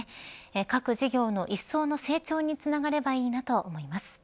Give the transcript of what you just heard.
各事業のいっそうの成長につながればいいなと思います。